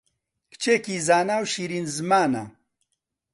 کچێکی زانا و شیرین زمانە